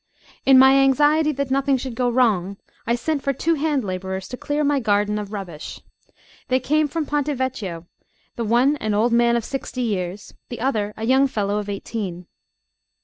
LVIII IN my anxiety that nothing should go wrong, I sent for two hand labourers to clear my garden of rubbish. They came from Ponte Vecchio, the one an old man of sixty years, the other a young fellow of eighteen.